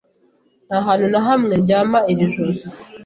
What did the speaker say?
Nta hantu na hamwe ndyama iri joro.